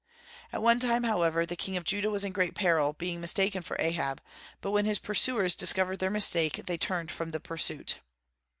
At one time, however, the king of Judah was in great peril, being mistaken for Ahab; but when his pursuers discovered their mistake, they turned from the pursuit.